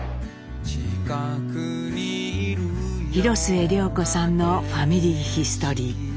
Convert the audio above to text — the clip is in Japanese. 広末涼子さんの「ファミリーヒストリー」。